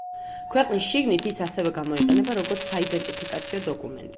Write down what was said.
ქვეყნის შიგნით ის ასევე გამოიყენება, როგორც საიდენტიფიკაციო დოკუმენტი.